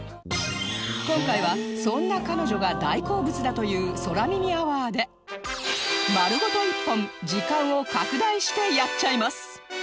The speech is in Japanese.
今回はそんな彼女が大好物だという空耳アワーで丸ごと一本時間を拡大してやっちゃいます！